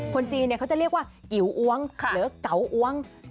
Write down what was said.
คนจีนเขาจะเรียกว่ากิ๋วอ้วงหรือเก๋าอ้วง